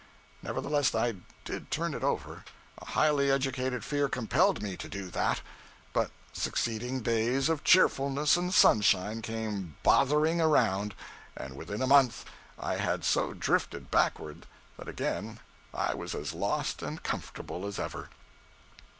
Nevertheless I did turn it over a highly educated fear compelled me to do that but succeeding days of cheerfulness and sunshine came bothering around, and within a month I had so drifted backward that again I was as lost and comfortable as ever.